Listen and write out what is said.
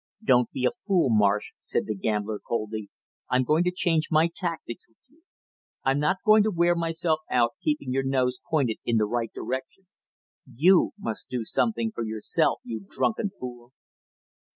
"Don't be a fool, Marsh," said the gambler coldly. "I'm going to change my tactics with you. I'm not going to wear myself out keeping your nose pointed in the right direction; you must do something for yourself, you drunken fool!"